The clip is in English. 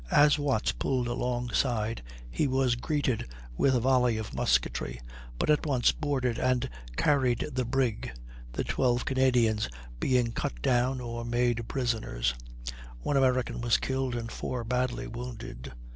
As Watts pulled alongside he was greeted with a volley of musketry, but at once boarded and carried the brig, the twelve Canadians being cut down or made prisoners; one American was killed and four badly wounded.